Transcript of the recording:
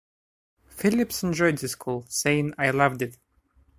Phillips enjoyed the school, saying, I loved it.